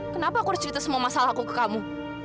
kenapa aku harus cerita semua masalah aku ke kamu